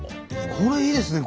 これいいですね